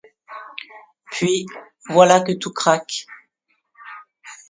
Puis, voilà que tout craque.